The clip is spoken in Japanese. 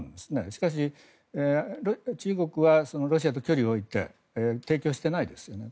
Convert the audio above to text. しかし、中国はロシアと距離を置いて提供してないですよね。